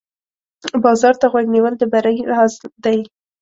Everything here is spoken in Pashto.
بازار ته غوږ نیول د بری راز دی.